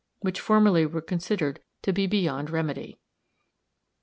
which formerly were considered to be beyond remedy.